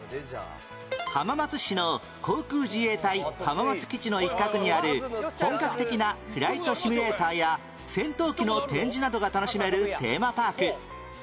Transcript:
浜松市の航空自衛隊浜松基地の一角にある本格的なフライトシミュレーターや戦闘機の展示などが楽しめるテーマパーク